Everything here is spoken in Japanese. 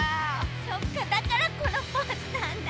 そっかだからこのポーズなんだ。